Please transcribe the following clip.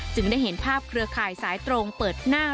ได้เห็นภาพเครือข่ายสายตรงเปิดหน้า